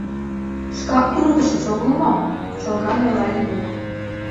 — Шкак туныктышыч огыл мо? — чолган ойла Ленук.